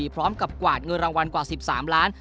พร้อมกับกวาดเงินรางวัลกว่า๑๓ล้าน